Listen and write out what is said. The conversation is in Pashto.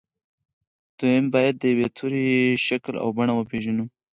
دويم بايد د يوه توري شکل او بڼه وپېژنو.